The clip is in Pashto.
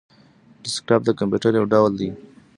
ډیسکټاپ د کمپيوټر یو ډول دی